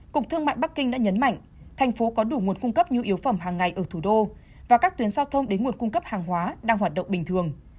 cục thương mại bắc kinh đã nhấn mạnh thành phố có đủ nguồn cung cấp nhu yếu phẩm hàng ngày ở thủ đô và các tuyến giao thông đến nguồn cung cấp hàng hóa đang hoạt động bình thường